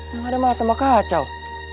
yang ada malah tambah kacau